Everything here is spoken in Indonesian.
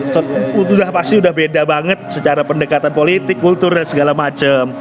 sudah pasti udah beda banget secara pendekatan politik kultur dan segala macam